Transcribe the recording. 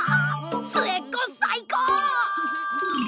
末っ子最高！